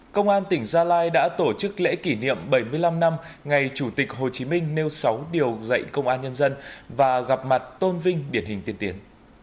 công an tỉnh gia lai đã tổ chức lễ kỷ niệm bảy mươi năm năm ngày chủ tịch hồ chí minh nêu sáu điều dạy công an nhân dân và gặp mặt tôn vinh điển hình tiên tiến